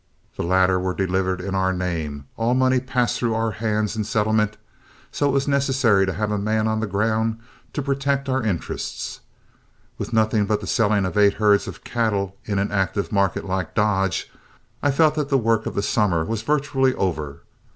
The latter were delivered in our name, all money passed through our hands in settlement, so it was necessary to have a man on the ground to protect our interests. With nothing but the selling of eight herds of cattle in an active market like Dodge, I felt that the work of the summer was virtually over.